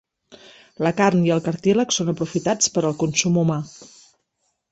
La carn i el cartílag són aprofitats per al consum humà.